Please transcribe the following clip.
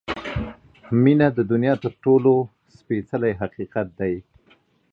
• مینه د دنیا تر ټولو سپېڅلی حقیقت دی.